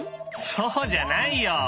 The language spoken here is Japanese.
そうじゃないよ。